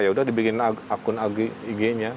yaudah dibikin akun ig nya